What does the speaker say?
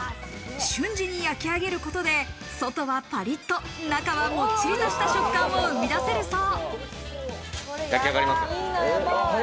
瞬時に焼き上げることで外はパリッと、中はもっちりとした食感を生み出せるそう。